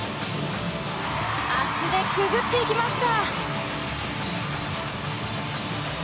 足でくぐっていきました！